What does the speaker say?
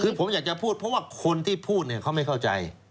คือผมอยากจะพูดเพราะว่าคนที่พูดเนี่ยเขาไม่เข้าใจ